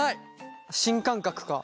新感覚か。